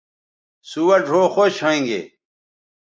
سوہ ڙھؤ خوش ھویں گے